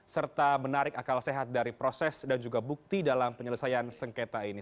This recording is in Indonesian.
serta menarik akal sehat dari proses dan juga bukti dalam penyelesaian sengketa ini